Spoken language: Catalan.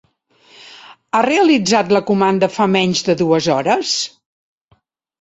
Ha realitzat la comanda fa menys de dues hores?